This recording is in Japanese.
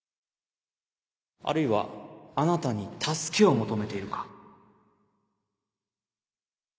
あるいはあなたに助けを求めているか